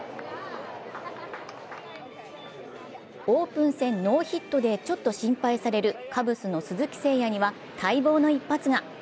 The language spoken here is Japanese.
オープン戦ノーヒットでちょっと心配されるカブスの鈴木誠也には待望の一発が。